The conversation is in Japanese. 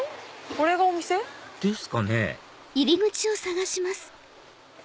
これがお店？ですかね？